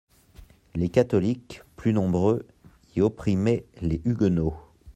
Les catholiques, plus nombreux, y opprimaient les huguenots.